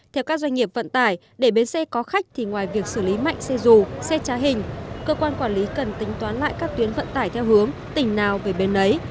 theo các doanh nghiệp vận tải để bến xe có khách thì ngoài việc xử lý mạnh xe dù xe trá hình cơ quan quản lý cần tính toán lại các tuyến vận tải theo hướng tỉnh nào về bến lấy